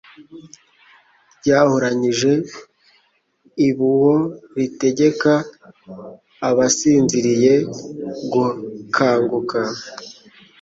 Ryahuranyije ibiuwo ritegeka abasinziriye gukanguka.